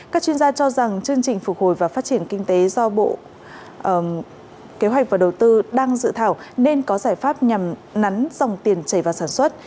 các chuyên gia cho rằng chương trình phục hồi và phát triển kinh tế do bộ kế hoạch và đầu tư đang dự thảo nên có giải pháp nhằm nắn dòng tiền chảy vào sản xuất